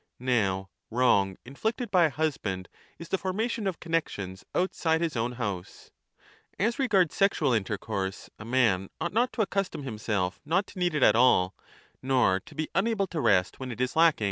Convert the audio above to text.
Now wrong in flicted by a husband is the formation of connexions outside his own house. As regards sexual intercourse, a man ought not to accustom himself not to need it at all nor to be unable to rest when it is lacking, 2 but so as to be 1 Reading in 1.